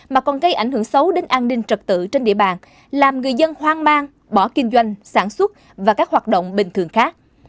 mà còn gây ảnh hưởng xấu đến an ninh trật tự trên địa bàn làm người dân hoang mang bỏ kinh doanh sản xuất và các hoạt động bình thường khác